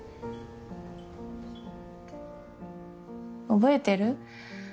覚えてる？